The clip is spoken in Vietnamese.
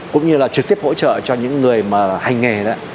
cũng như là trực tiếp hỗ trợ cho những người mà hành nghề đó